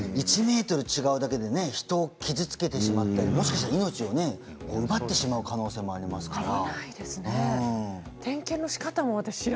１ｍ違うだけで人を傷つけてしまってもしかしたら命を奪ってしまう可能性もありますから。